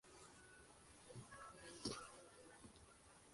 Presenta un cráter de aproximadamente un kilómetro de diámetro.